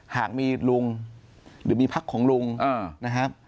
หากมีลุงหรือมีพักของลุงนะครับ